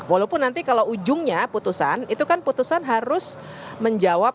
walaupun nanti kalau ujungnya putusan itu kan putusan harus menjawab